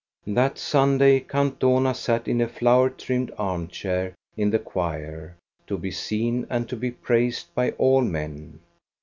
That Sunday Count Dohna sat in a flower trimmed arm chair in the choir, to be seen and to be praised by all men.